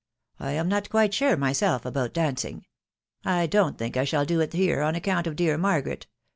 I am not quite sure myself about dancing. I don't think I shall do it here, on account of dear Margaret